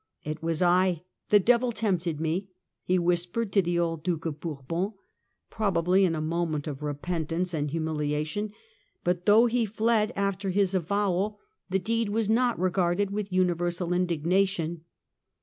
" It was I, the Devil tempted me," he whispered to the old Duke of Bourbon, probably in a moment of repentance and humiliation ; but though he fled after his avowal, the 14 210 THE END OF THE MIDDLE AGE deed was not regarded with universal indignation.